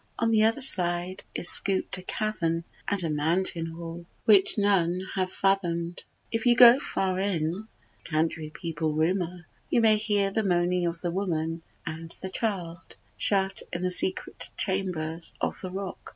On the other side Is scooped a cavern and a mountain hall, Which none have fathom'd. If you go far in (The country people rumour) you may hear The moaning of the woman and the child, Shut in the secret chambers of the rock.